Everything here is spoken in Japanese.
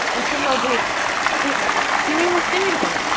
君もしてみるかね？